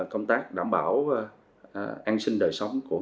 công tác đảm bảo an sinh đời